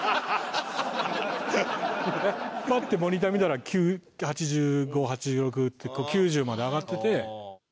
パッてモニター見たら８５８６って９０まで上がってて。